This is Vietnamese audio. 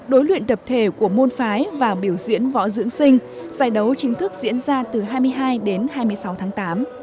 đối luyện tập thể của môn phái và biểu diễn võ dưỡng sinh giải đấu chính thức diễn ra từ hai mươi hai đến hai mươi sáu tháng tám